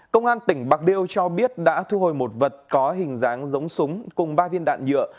công an tỉnh bạc liêu cho biết đã thu hồi một vật có hình dáng giống súng cùng ba viên đạn nhựa